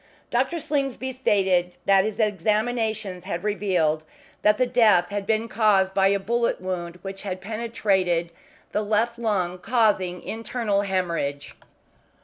Dr. Slingsby stated that his examinations had revealed that death had been caused by a bullet wound which had penetrated the left lung, causing internal hemorrhage.